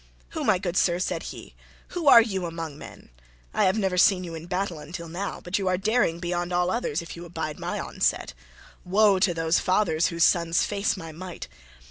"Who, my good sir," said he, "who are you among men? I have never seen you in battle until now, but you are daring beyond all others if you abide my onset. Woe to those fathers whose sons face my might.